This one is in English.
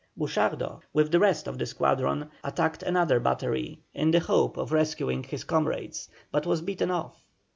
Buchardo, with the rest of the squadron, attacked another battery in the hope of rescuing his comrades, but was beaten off.